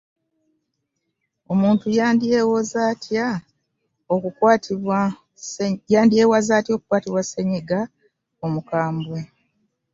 Omuntu yandyewazze atya okukwatibwa ssenyiga omukambwe.